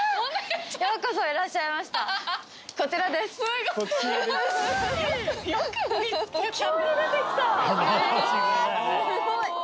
すごい。